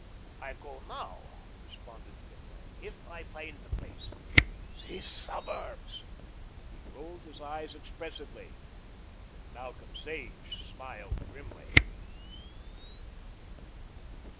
"I go now," responded Finlay, "if I find the place. These suburbs!" He rolled his eyes expressively. Malcolm Sage smiled grimly.